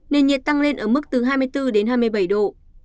nền nhiệt tăng lên ở mức từ hai mươi bốn đến hai mươi bảy độ